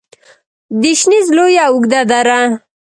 د شنیز لویه او اوږده دره